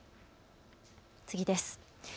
次です。